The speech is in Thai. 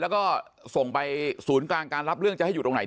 แล้วก็ส่งไปศูนย์กลางการรับเรื่องจะให้อยู่ตรงไหน